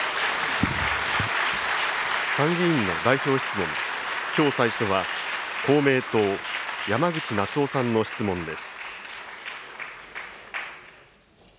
参議院の代表質問、きょう最初は、公明党、山口那津男さんの質問です。